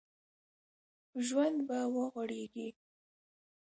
ژوند به وغوړېږي